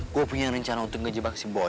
gue punya rencana untuk ngejek outuh boy